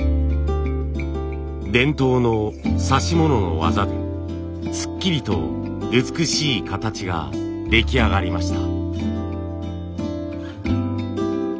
伝統の指し物の技ですっきりと美しい形が出来上がりました。